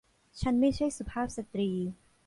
ฉันไม่ใช่สุภาพสตรี